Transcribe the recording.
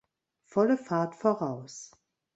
Volle Fahrt voraus!